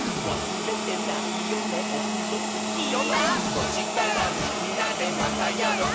「そしたらみんなで『またやろう！』」